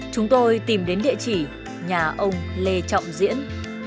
chúng tôi tìm đến địa chỉ nhà ông lê trọng diễn